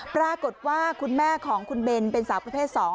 ปรากฏว่าคุณแม่ของคุณเบนเป็นสาวประเภท๒